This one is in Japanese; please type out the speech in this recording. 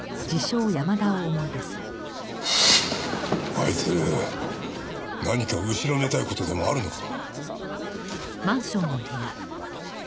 あいつ何か後ろめたい事でもあるのかな。